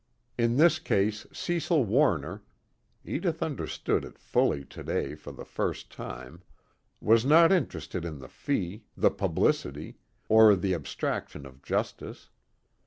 In this case Cecil Warner (Edith understood it fully today for the first time) was not interested in the fee, the publicity, or the abstraction of justice.